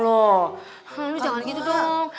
lu jangan gitu dong